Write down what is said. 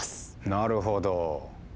なるほど。